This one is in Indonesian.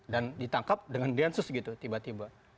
dan ditangkap dengan diensus gitu tiba tiba